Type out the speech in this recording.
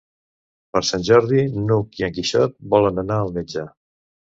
Per Sant Jordi n'Hug i en Quixot volen anar al metge.